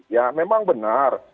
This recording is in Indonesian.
ya memang benar